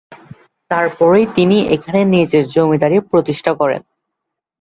তারপরই তিনি এখানে নিজের জমিদারী প্রতিষ্ঠা করেন।